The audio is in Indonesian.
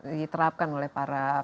diterapkan oleh para